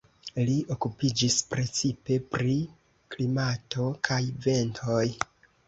Li okupiĝis precipe pri klimato kaj ventoj.